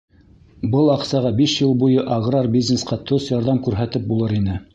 Был аҡсаға биш йыл буйы аграр бизнесҡа тос ярҙам күрһәтеп булыр ине.